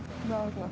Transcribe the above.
dari para pelajar